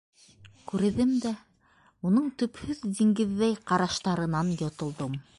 Күрҙем дә, уның төпһөҙ диңгеҙҙәй ҡараштарынан йотолдом.